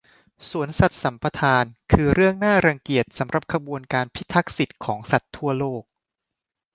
สวนสัตว์สัมปทานคือเรื่องน่ารังเกียจสำหรับขบวนการพิทักษ์สิทธิของสัตว์ทั่วโลก